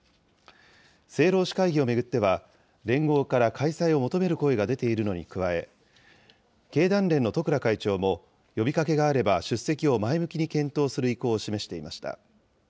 政労使会議を巡っては、連合から開催を求める声が出ているのに加え、経団連の十倉会長も呼びかけがあれば、出席を前向きに検討する意向を示していました。